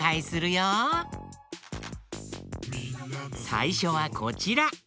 さいしょはこちら！